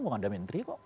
gak ada menteri kok